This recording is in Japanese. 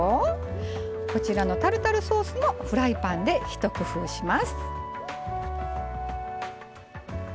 こちらのタルタルソースもフライパンで一工夫します。